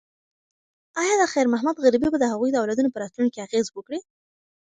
ایا د خیر محمد غریبي به د هغه د اولادونو په راتلونکي اغیز وکړي؟